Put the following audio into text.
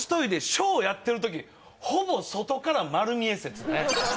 小やってる時ほぼ外から丸見え説ね